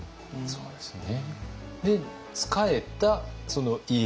そうですね。